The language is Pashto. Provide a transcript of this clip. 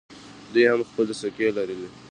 دوی هم خپلې سکې لرلې